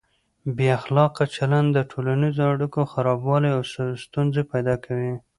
بې اخلاقه چلند د ټولنیزو اړیکو خرابوالی او ستونزې پیدا کوي.